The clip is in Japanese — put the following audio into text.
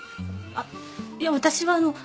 あっいやわたしはあの。